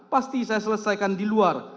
pasti saya selesaikan di luar